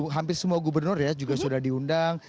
hampir semua gubernur ya juga sudah diundang